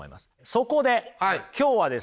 そこで今日はですね